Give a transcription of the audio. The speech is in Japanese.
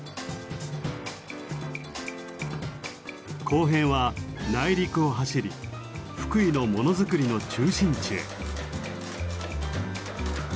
後編は内陸を走り福井のものづくりの中心地へ。